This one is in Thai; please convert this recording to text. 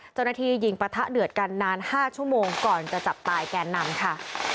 เจ้าหน้าที่ยิงปะทะเดือดกันนาน๕ชั่วโมงก่อนจะจับตายแกนนำค่ะ